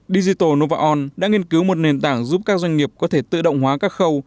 digital novaon đã nghiên cứu một nền tảng giúp các doanh nghiệp có thể tự động hóa các khâu